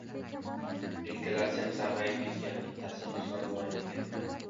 Ikkalasiyam sarg‘ayib ketgan. Bittasi Husan buvamniki.